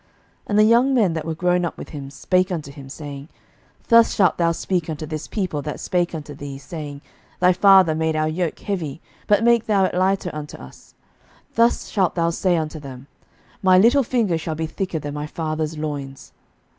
11:012:010 And the young men that were grown up with him spake unto him, saying, Thus shalt thou speak unto this people that spake unto thee, saying, Thy father made our yoke heavy, but make thou it lighter unto us; thus shalt thou say unto them, My little finger shall be thicker than my father's loins.